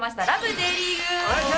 Ｊリーグ』！